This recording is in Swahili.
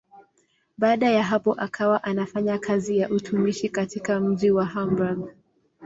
Baada ya hapo akawa anafanya kazi ya utumishi katika mji wa Hamburg.